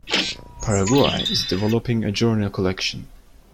Paraguay is developing a journal collection.